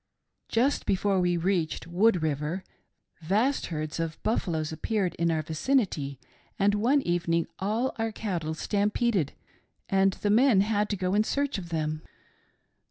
"Just before we reached Wood river, vast herds of' buf faloes appeared in our vicinity, and one evening all our cattle stampeded, and the men had to go in search of them.